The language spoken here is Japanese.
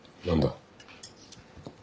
何だ。